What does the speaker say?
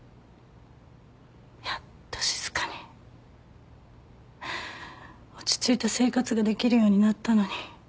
やっと静かに落ち着いた生活ができるようになったのに。